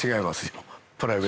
はい。